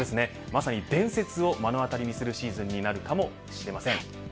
まさに伝説を目の当たりにするシーズンになるかもしれません。